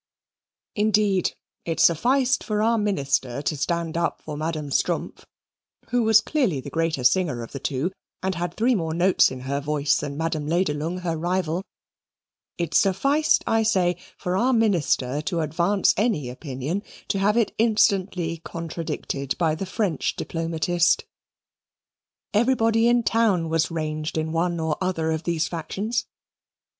Indeed it sufficed for our Minister to stand up for Madame Strumpff, who was clearly the greater singer of the two, and had three more notes in her voice than Madame Lederlung her rival it sufficed, I say, for our Minister to advance any opinion to have it instantly contradicted by the French diplomatist. Everybody in the town was ranged in one or other of these factions.